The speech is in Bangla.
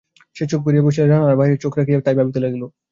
সে চুপ করিয়া বসিয়া জানলার বাহিরে চোখ রাখিয়া তাই ভাবিতে লাগিল।